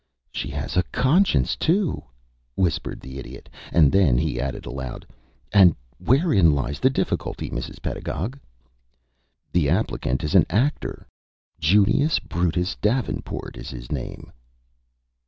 "She has a conscience, too," whispered the Idiot; and then he added, aloud, "And wherein lies the difficulty, Mrs. Pedagog?" "The applicant is an actor; Junius Brutus Davenport is his name."